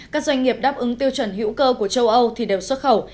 các doanh nghiệp đáp ứng tiêu chuẩn hữu cơ của châu âu thì đều xuất khẩu